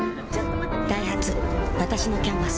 ダイハツわたしの「キャンバス」